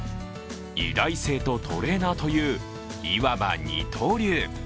医大生とトレーナーという、いわば二刀流。